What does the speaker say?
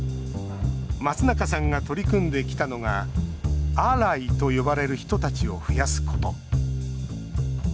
松中さんが取り組んできたのが「アライ」と呼ばれる人たちを増やすこと。